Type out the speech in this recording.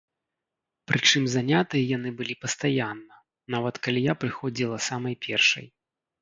Прычым занятыя яны былі пастаянна, нават калі я прыходзіла самай першай.